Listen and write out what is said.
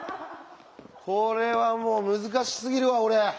これはもう難しすぎるわ俺。